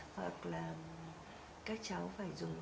hoặc là các cháu phải dùng